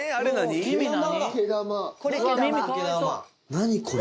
何これ。